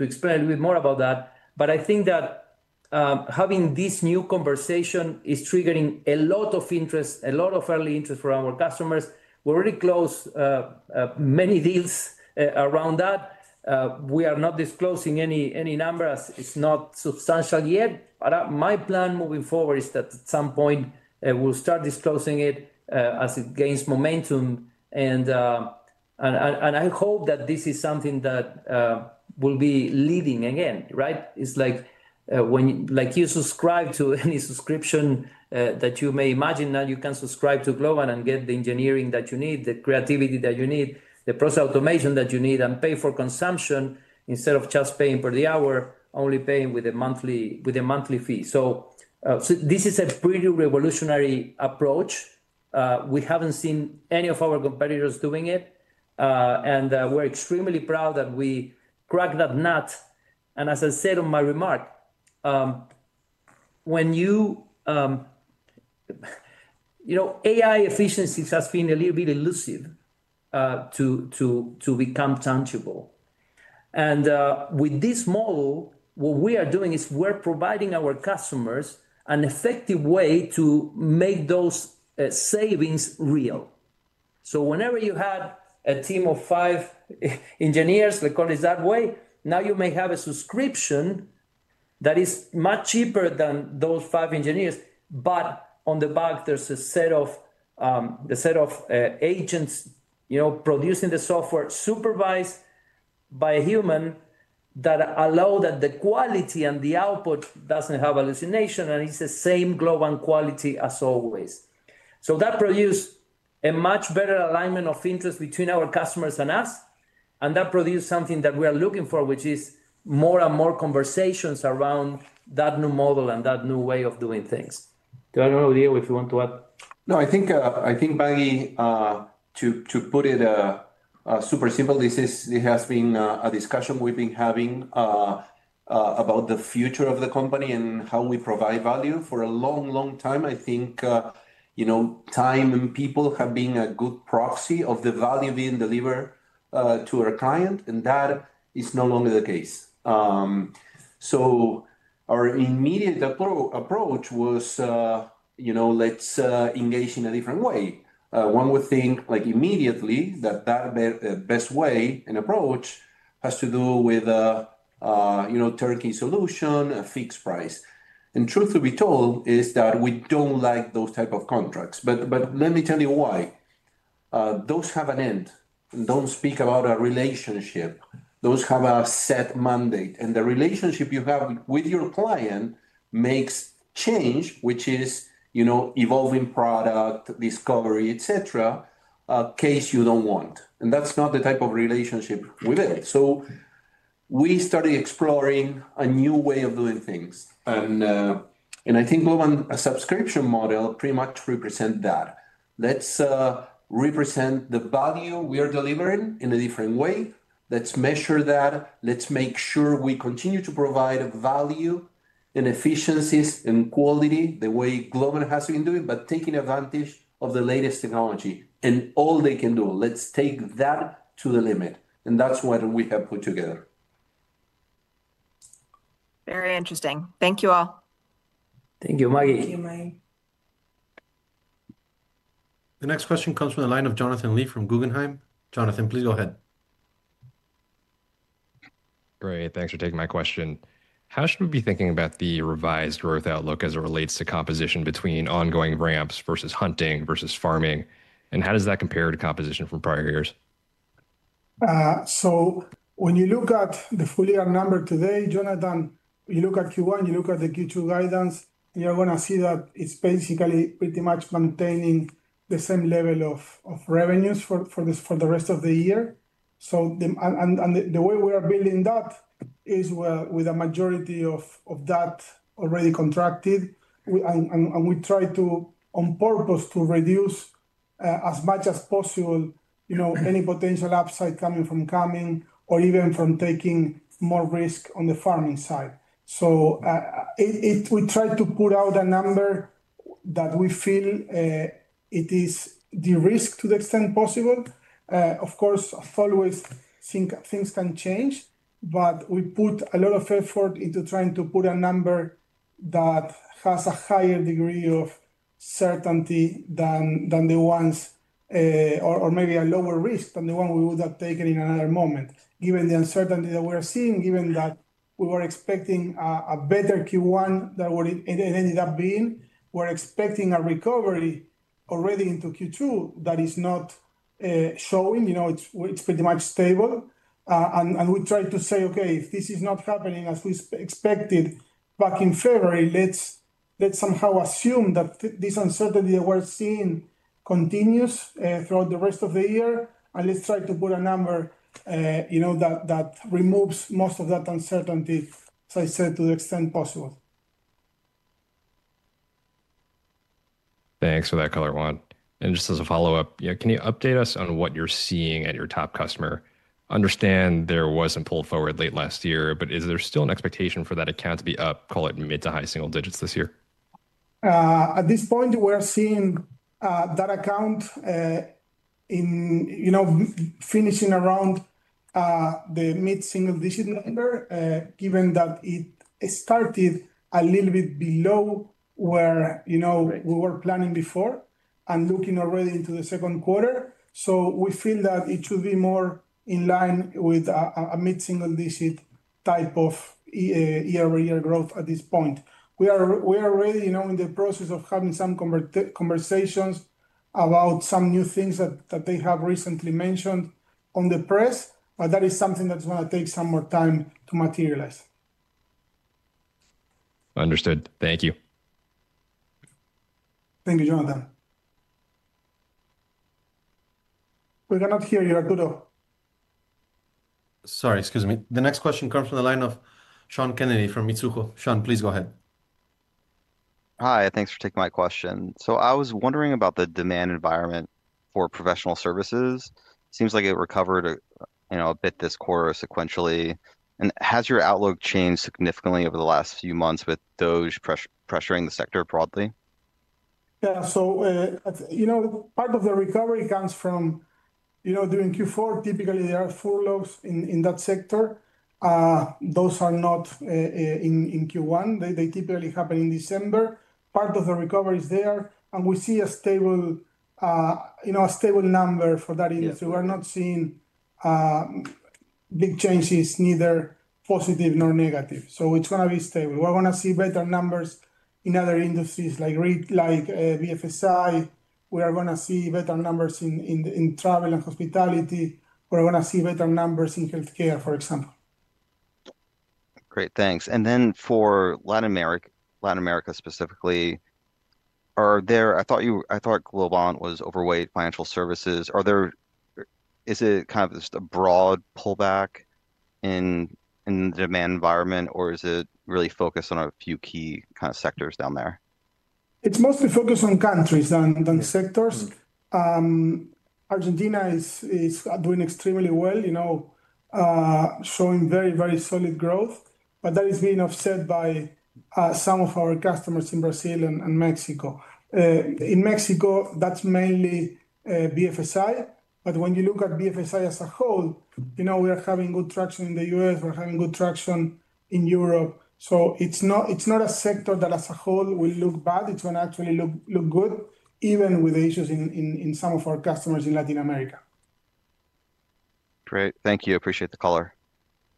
explain a little bit more about that. I think that having this new conversation is triggering a lot of interest, a lot of early interest from our customers. We have already closed many deals around that. We are not disclosing any number as it is not substantial yet. My plan moving forward is that at some point, we will start disclosing it as it gains momentum. I hope that this is something that will be leading again, right? It's like when you subscribe to any subscription that you may imagine, that you can subscribe to Globant and get the engineering that you need, the creativity that you need, the process automation that you need, and pay for consumption instead of just paying per the hour, only paying with a monthly fee. This is a pretty revolutionary approach. We haven't seen any of our competitors doing it. We're extremely proud that we cracked that nut. As I said on my remark, you know, AI efficiency has been a little bit elusive to become tangible. With this model, what we are doing is we're providing our customers an effective way to make those savings real. Whenever you had a team of five engineers, let's call it that way, now you may have a subscription that is much cheaper than those five engineers. On the back, there's a set of agents, you know, producing the software supervised by a human that allow that the quality and the output does not have hallucination and it is the same Globant quality as always. That produced a much better alignment of interest between our customers and us. That produced something that we are looking for, which is more and more conversations around that new model and that new way of doing things. Do I know, Diego, if you want to add? No, I think, Maggie, to put it super simple, this has been a discussion we've been having about the future of the company and how we provide value. For a long, long time, I think, you know, time and people have been a good proxy of the value being delivered to our client. That is no longer the case. Our immediate approach was, you know, let's engage in a different way. One would think like immediately that that best way and approach has to do with a, you know, turnkey solution, a fixed price. Truth to be told is that we don't like those types of contracts. Let me tell you why. Those have an end. Don't speak about a relationship. Those have a set mandate. The relationship you have with your client makes change, which is, you know, evolving product, discovery, et cetera, a case you do not want. That is not the type of relationship we build. We started exploring a new way of doing things. I think Globant subscription model pretty much represents that. Let's represent the value we are delivering in a different way. Let's measure that. Let's make sure we continue to provide value and efficiencies and quality the way Globant has been doing, but taking advantage of the latest technology and all they can do. Let's take that to the limit. That is what we have put together. Very interesting. Thank you all. Thank you, Maggie. Thank you, Maggie. The next question comes from the line of Jonathan Lee from Guggenheim. Jonathan, please go ahead. Great. Thanks for taking my question. How should we be thinking about the revised growth outlook as it relates to composition between ongoing ramps versus hunting versus farming? How does that compare to composition from prior years? When you look at the full year number today, Jonathan, you look at Q1, you look at the Q2 guidance, you're going to see that it's basically pretty much maintaining the same level of revenues for the rest of the year. The way we are building that is with a majority of that already contracted. We try to, on purpose, to reduce as much as possible, you know, any potential upside coming from coming or even from taking more risk on the farming side. We try to put out a number that we feel it is de-risked to the extent possible. Of course, always things can change. We put a lot of effort into trying to put a number that has a higher degree of certainty than the ones or maybe a lower risk than the one we would have taken in another moment. Given the uncertainty that we are seeing, given that we were expecting a better Q1 than what it ended up being, we're expecting a recovery already into Q2 that is not showing, you know, it's pretty much stable. We try to say, okay, if this is not happening as we expected back in February, let's somehow assume that this uncertainty that we're seeing continues throughout the rest of the year. Let's try to put a number, you know, that removes most of that uncertainty, as I said, to the extent possible. Thanks for that, Juan. And just as a follow-up, you know, can you update us on what you're seeing at your top customer? Understand there was some pulled forward late last year, but is there still an expectation for that account to be up, call it mid to high single digits this year? At this point, we're seeing that account in, you know, finishing around the mid-single digit number, given that it started a little bit below where, you know, we were planning before and looking already into the second quarter. We feel that it should be more in line with a mid-single digit type of year-over-year growth at this point. We are already, you know, in the process of having some conversations about some new things that they have recently mentioned on the press. That is something that's going to take some more time to materialize. Understood. Thank you. Thank you, Jonathan. We cannot hear you. Arturo. Sorry, excuse me. The next question comes from the line of Sean Kennedy from Mizuho. Sean, please go ahead. Hi, thanks for taking my question. I was wondering about the demand environment for professional services. Seems like it recovered, you know, a bit this quarter sequentially. Has your outlook changed significantly over the last few months with AI pressuring the sector broadly? Yeah, so, you know, part of the recovery comes from, you know, during Q4, typically there are four lags in that sector. Those are not in Q1. They typically happen in December. Part of the recovery is there. And we see a stable, you know, a stable number for that industry. We're not seeing big changes, neither positive nor negative. It is going to be stable. We're going to see better numbers in other industries like BFSI. We are going to see better numbers in travel and hospitality. We're going to see better numbers in healthcare, for example. Great. Thanks. For Latin America specifically, are there, I thought Globant was overweight financial services. Is it kind of just a broad pullback in the demand environment, or is it really focused on a few key kind of sectors down there? It's mostly focused on countries than sectors. Argentina is doing extremely well, you know, showing very, very solid growth. That is being offset by some of our customers in Brazil and Mexico. In Mexico, that's mainly BFSI. When you look at BFSI as a whole, you know, we are having good traction in the U.S. We're having good traction in Europe. It is not a sector that as a whole will look bad. It is going to actually look good, even with the issues in some of our customers in Latin America. Great. Thank you. Appreciate the caller.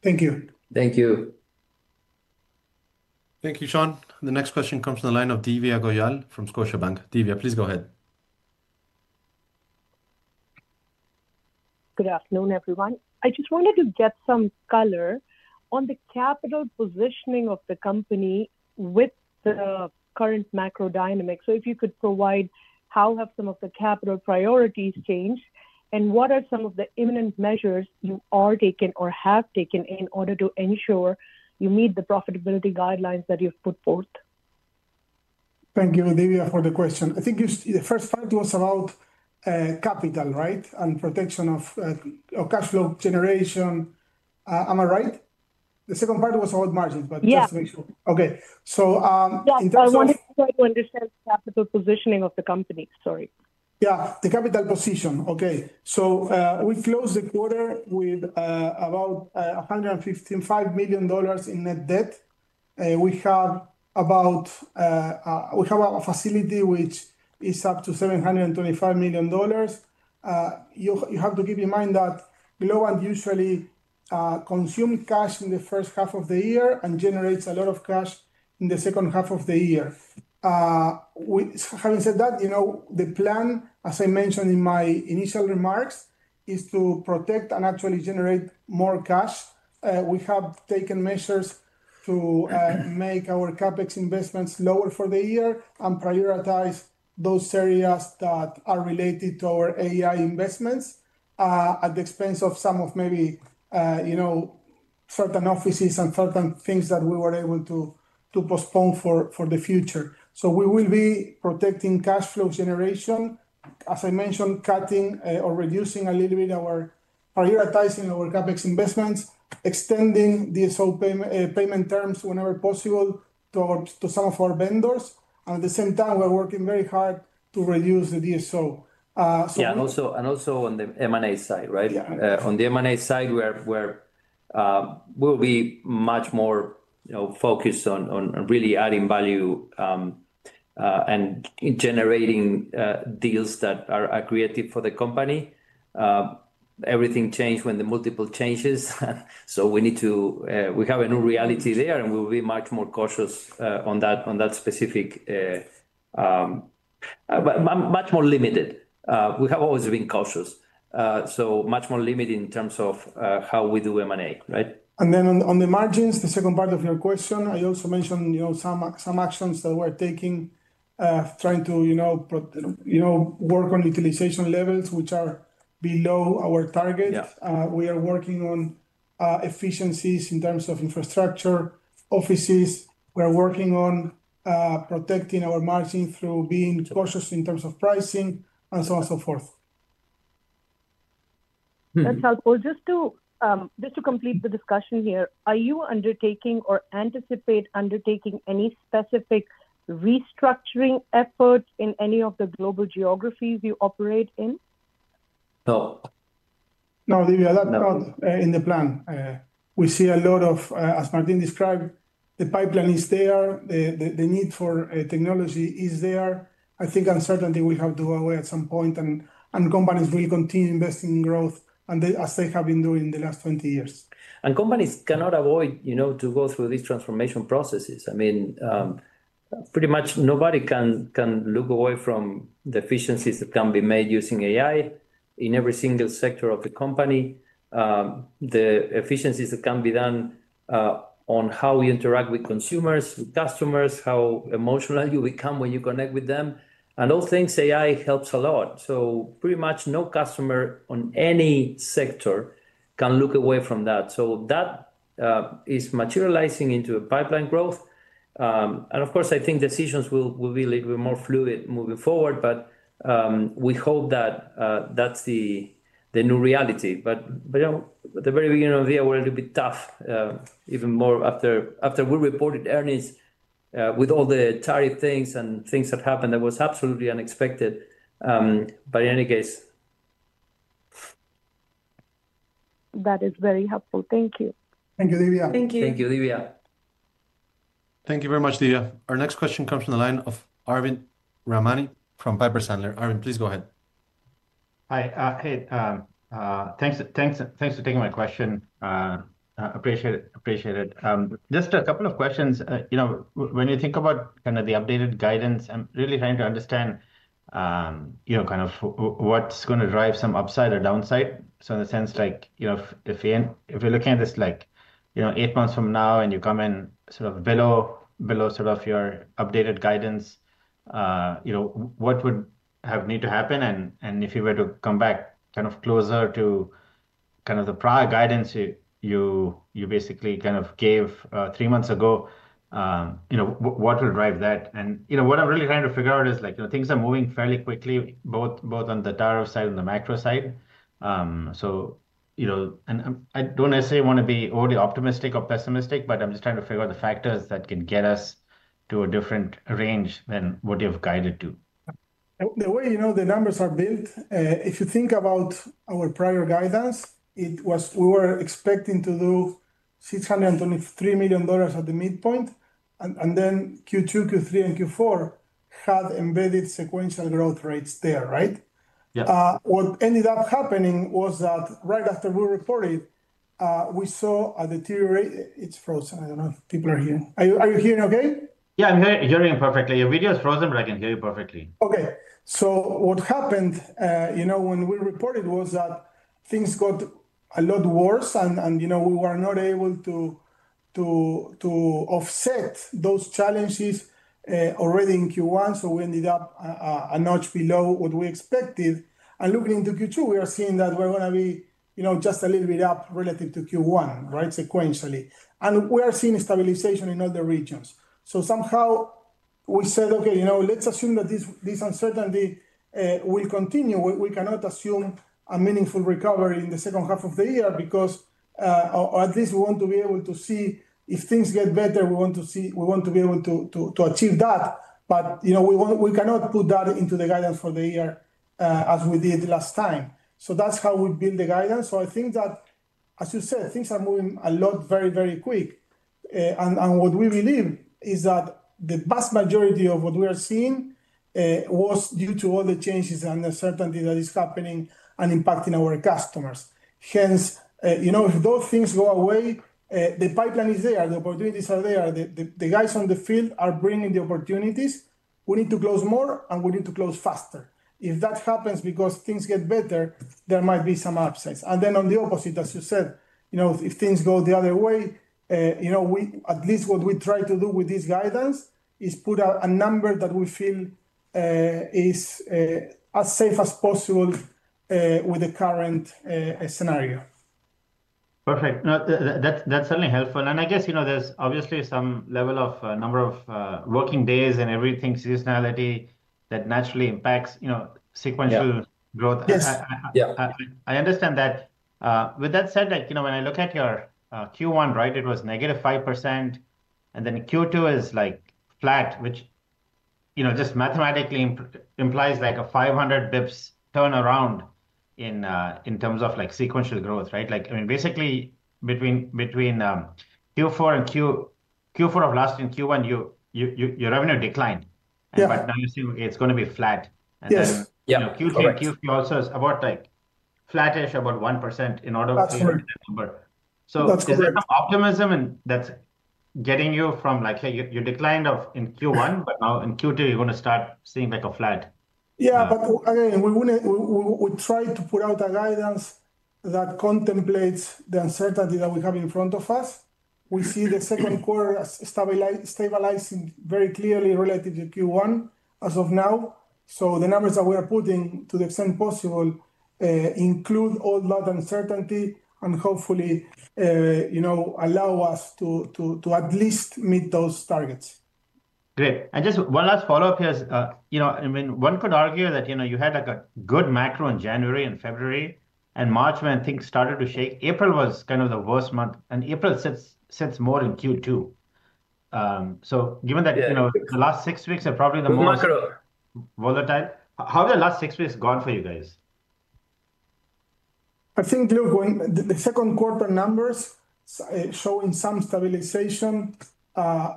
Thank you. Thank you. Thank you, Sean. The next question comes from the line of Divya Goyal from Scotiabank. Divya, please go ahead. Good afternoon, everyone. I just wanted to get some color on the capital positioning of the company with the current macro dynamics. If you could provide how have some of the capital priorities changed and what are some of the imminent measures you are taking or have taken in order to ensure you meet the profitability guidelines that you've put forth? Thank you, Divyal, for the question. I think the first part was about capital, right, and protection of cash flow generation. Am I right? The second part was about margins, just to make sure. Yeah. Okay. So in terms of. Yeah, I wanted to understand the capital positioning of the company. Sorry. Yeah, the capital position. Okay. We closed the quarter with about $155 million in net debt. We have a facility which is up to $725 million. You have to keep in mind that Globant usually consumes cash in the first half of the year and generates a lot of cash in the second half of the year. Having said that, you know, the plan, as I mentioned in my initial remarks, is to protect and actually generate more cash. We have taken measures to make our CapEx investments lower for the year and prioritize those areas that are related to our AI investments at the expense of some of maybe, you know, certain offices and certain things that we were able to postpone for the future. We will be protecting cash flow generation, as I mentioned, cutting or reducing a little bit our prioritizing our CapEx investments, extending DSO payment terms whenever possible to some of our vendors. At the same time, we're working very hard to reduce the DSO. Yeah, and also on the M&A side, right? On the M&A side, we'll be much more focused on really adding value and generating deals that are accretive for the company. Everything changed when the multiple changes. We need to, we have a new reality there and we'll be much more cautious on that specific, much more limited. We have always been cautious. Much more limited in terms of how we do M&A, right? On the margins, the second part of your question, I also mentioned, you know, some actions that we're taking, trying to, you know, work on utilization levels, which are below our target. We are working on efficiencies in terms of infrastructure, offices. We are working on protecting our margin through being cautious in terms of pricing and so on and so forth. That's helpful. Just to complete the discussion here, are you undertaking or anticipate undertaking any specific restructuring efforts in any of the global geographies you operate in? No. No, Divya, that's not in the plan. We see a lot of, as Martín described, the pipeline is there. The need for technology is there. I think uncertainty will have to go away at some point. Companies will continue investing in growth as they have been doing in the last 20 years. Companies cannot avoid, you know, to go through these transformation processes. I mean, pretty much nobody can look away from the efficiencies that can be made using AI in every single sector of the company. The efficiencies that can be done on how you interact with consumers, with customers, how emotional you become when you connect with them. And those things, AI helps a lot. Pretty much no customer in any sector can look away from that. That is materializing into a pipeline growth. Of course, I think decisions will be a little bit more fluid moving forward. We hope that that's the new reality. At the very beginning of the year, it was a little bit tough, even more after we reported earnings with all the tariff things and things that happened that was absolutely unexpected. In any case. That is very helpful. Thank you. Thank you, Divya. Thank you. Thank you, Divya. Thank you very much, Divya. Our next question comes from the line of Arvind Ramnani from Piper Sandler. Arvin, please go ahead. Hi. Hey, thanks for taking my question. Appreciate it. Just a couple of questions. You know, when you think about kind of the updated guidance, I'm really trying to understand, you know, kind of what's going to drive some upside or downside. In the sense, like, you know, if you're looking at this, like, you know, eight months from now and you come in sort of below sort of your updated guidance, you know, what would need to happen? If you were to come back kind of closer to kind of the prior guidance you basically kind of gave three months ago, you know, what will drive that? You know, what I'm really trying to figure out is like, you know, things are moving fairly quickly, both on the tariff side and the macro side. You know, and I don't necessarily want to be overly optimistic or pessimistic, but I'm just trying to figure out the factors that can get us to a different range than what you've guided to. The way, you know, the numbers are built, if you think about our prior guidance, we were expecting to do $623 million at the midpoint. And then Q2, Q3, and Q4 had embedded sequential growth rates there, right? What ended up happening was that right after we reported, we saw a deterioration. It's frozen. I don't know if people are here. Are you hearing okay? Yeah, I'm hearing perfectly. Your video is frozen, but I can hear you perfectly. Okay. So what happened, you know, when we reported was that things got a lot worse. And, you know, we were not able to offset those challenges already in Q1. So we ended up a notch below what we expected. Looking into Q2, we are seeing that we're going to be, you know, just a little bit up relative to Q1, right, sequentially. We are seeing stabilization in other regions. Somehow we said, okay, you know, let's assume that this uncertainty will continue. We cannot assume a meaningful recovery in the second half of the year because, or at least we want to be able to see if things get better, we want to see, we want to be able to achieve that. You know, we cannot put that into the guidance for the year as we did last time. That is how we build the guidance. I think that, as you said, things are moving a lot, very, very quick. What we believe is that the vast majority of what we are seeing was due to all the changes and uncertainty that is happening and impacting our customers. Hence, you know, if those things go away, the pipeline is there. The opportunities are there. The guys on the field are bringing the opportunities. We need to close more, and we need to close faster. If that happens because things get better, there might be some upsides. On the opposite, as you said, you know, if things go the other way, at least what we try to do with this guidance is put a number that we feel is as safe as possible with the current scenario. Perfect. That's certainly helpful. I guess, you know, there's obviously some level of number of working days and everything seasonality that naturally impacts, you know, sequential growth. I understand that. With that said, like, you know, when I look at your Q1, right, it was -5%. Q2 is like flat, which, you know, just mathematically implies like a 500 basis points turnaround in terms of like sequential growth, right? I mean, basically between Q4 and Q4 of last year, Q1, your revenue declined. Now you're seeing it's going to be flat. Q3 and Q4 also is about like flattish, about 1% in order to reach that number. Is there some optimism that's getting you from like, hey, you declined in Q1, but now in Q2, you're going to start seeing like a flat? Yeah, but again, we try to put out a guidance that contemplates the uncertainty that we have in front of us. We see the second quarter stabilizing very clearly relative to Q1 as of now. So the numbers that we are putting to the extent possible include all that uncertainty and hopefully, you know, allow us to at least meet those targets. Great. Just one last follow-up here. You know, I mean, one could argue that, you know, you had like a good macro in January and February and March when things started to shake. April was kind of the worst month. April sits more in Q2. Given that, you know, the last six weeks are probably the most volatile. How have the last six weeks gone for you guys? I think, you going, the second quarter numbers showing some stabilization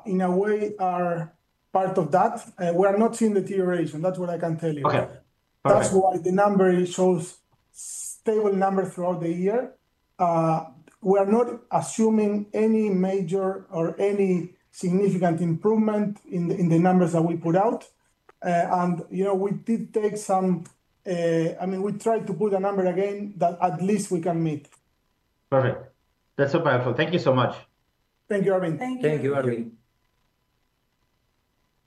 in a way are part of that. We are not seeing deterioration. That's what I can tell you. That is why the number shows stable numbers throughout the year. We are not assuming any major or any significant improvement in the numbers that we put out. You know, we did take some, I mean, we tried to put a number again that at least we can meet. Perfect. That's so powerful. Thank you so much. Thank you, Arvind. Thank you, Arvind.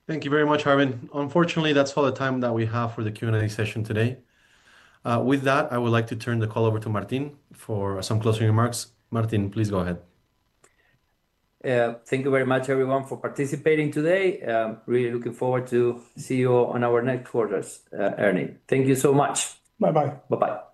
Thank you very much, Arvind. Unfortunately, that's all the time that we have for the Q&A session today. With that, I would like to turn the call over to Martín for some closing remarks. Martín, please go ahead. Thank you very much, everyone, for participating today. Really looking forward to see you on our next quarters' earnings. Thank you so much. Bye-bye. Bye-bye.